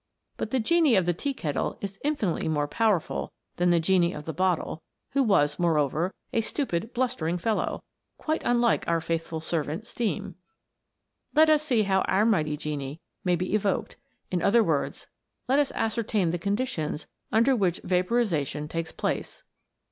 But the genie of the tea kettle is infinitely more powerful than the genie of the bottle, who was, more over, a stupid, blustering fellow, quite unlike our faithful servant, Steam. Let us see how our mighty genie may be evoked ; in other words, let us ascer tain the conditions under which vaporization takes place.